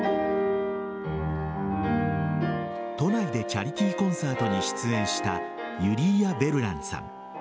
都内でチャリティーコンサートに出演したユリーア・ヴェルランさん。